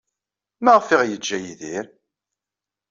Maɣef ay aɣ-yeǧǧa Yidir?